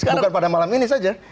bukan pada malam ini saja